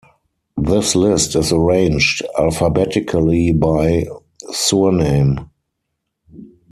This list is arranged alphabetically by surname.